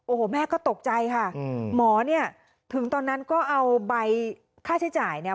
โอ้โหแม่ก็ตกใจค่ะอืมหมอเนี่ยถึงตอนนั้นก็เอาใบค่าใช้จ่ายเนี่ย